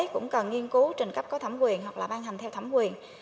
cũng cần nghiên cứu trình cấp có thẩm quyền hoặc là ban hành theo thẩm quyền